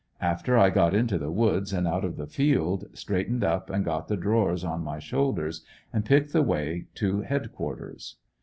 After I got into the woods and out of the field, straightened up and got the drawers on my shoulders and picked the way to head quarters.